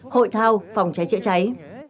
hội thao phòng cháy chữa cháy